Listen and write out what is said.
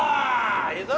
いいぞ。